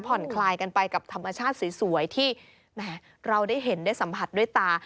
คลายกันไปกับธรรมชาติสวยที่แหมเราได้เห็นได้สัมผัสด้วยตา